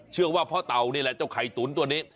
เชื่อว่าพ่อเต่านี่แหละเจ้าไข่ตุ๋นตัวนี้